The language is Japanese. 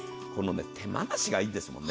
手間なしがいいですもんね。